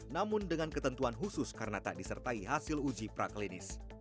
namun dengan ketentuan khusus karena tak disertai hasil uji praklinis